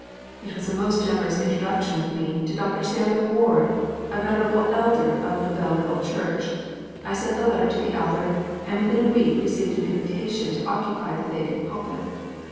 It was a most generous introduction of me to Dr. Samuel Ward, a venerable elder of the Belleville church. I sent the letter to the elder, and within a week received an invitation to occupy the vacant pulpit.